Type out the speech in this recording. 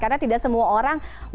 karena tidak semua orang menilai itu